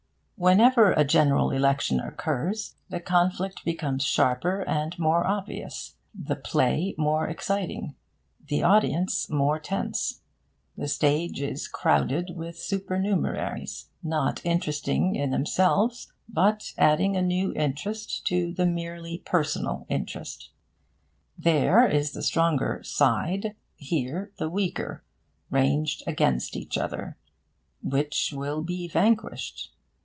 Whenever a General Election occurs, the conflict becomes sharper and more obvious the play more exciting the audience more tense. The stage is crowded with supernumeraries, not interesting in themselves, but adding a new interest to the merely personal interest. There is the stronger 'side,' here the weaker, ranged against each other. Which will be vanquished?